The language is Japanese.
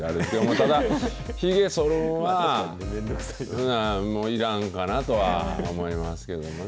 ただ、ひげそるんは、もういらんかなとは思いますけれどもね。